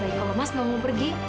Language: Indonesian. kalau mas mau pergi